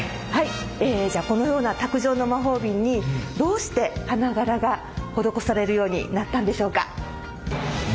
えじゃあこのような卓上の魔法瓶にどうして花柄が施されるようになったんでしょうか？